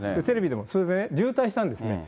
テレビでも、それで渋滞したんですよ。